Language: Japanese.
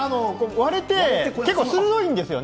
割れて、結構鋭いんですよね。